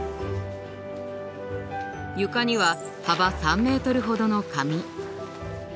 床には幅３メートルほどの紙。